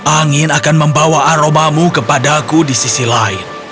angin akan membawa aromamu kepadaku di sisi lain